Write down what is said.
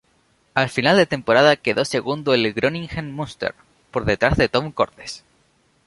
A final de temporada quedó segundo del Groningen-Münster por detrás de Tom Cordes.